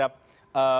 jadi ini juga terjadi